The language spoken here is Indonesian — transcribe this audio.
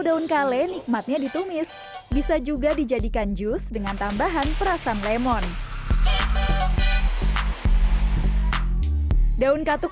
daun kale nikmatnya ditumis bisa juga dijadikan jus dengan tambahan perasan lemon daun katuk